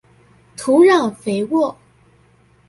土壤肥沃